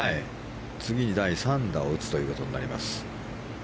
次に第３打を打つということになります。